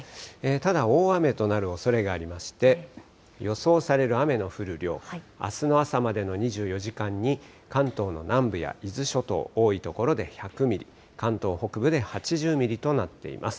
ただ、大雨となるおそれがありまして、予想される雨の降る量、あすの朝までの２４時間に、関東の南部や伊豆諸島、多い所で１００ミリ、関東北部で８０ミリとなっています。